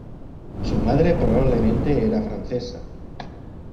Su madre probablemente era francesa.